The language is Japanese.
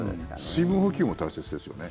水分補給も大切ですよね。